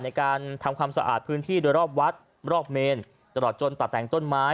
ในการทำความสะอาดพื้นที่โดยรอบวัดรอบเมนตลอดจนตัดแต่งต้นไม้